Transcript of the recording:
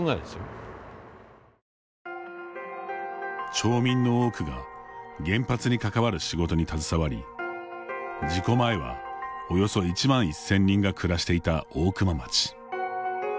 町民の多くが原発に関わる仕事に携わり、事故前はおよそ１万１０００人が暮らしていた大熊町。